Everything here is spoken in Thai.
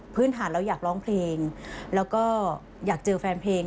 พื้นฐานเราอยากร้องเพลงแล้วก็อยากเจอแฟนเพลง